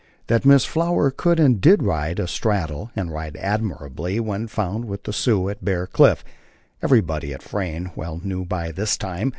That Miss Flower could and did ride "asthraddle" and ride admirably when found with the Sioux at Bear Cliff, everybody at Frayne well knew by this time.